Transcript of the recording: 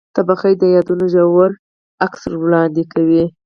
تنور د یادونو ژور تصویر وړاندې کوي